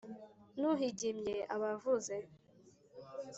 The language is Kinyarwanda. N’uhigimye aba avuze